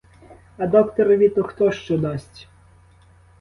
А докторові то хто що дасть!